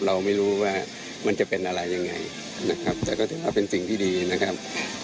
เราไม่รู้ว่ามันจะเป็นอะไรยังไงนะครับแต่ก็ถือว่าเป็นสิ่งที่ดีนะครับ